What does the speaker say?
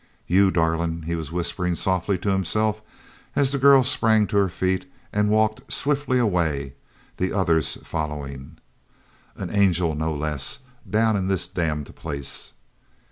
"You darling," he was whispering softly to himself as the girl sprang to her feet and walked swiftly away, the others following. "An angel, no less—down in this damned place!"